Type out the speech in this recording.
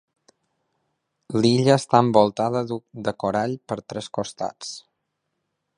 L'illa està envoltada de corall per tres costats.